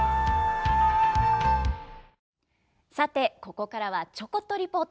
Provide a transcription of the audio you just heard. さてここからは「ちょこっとリポート」。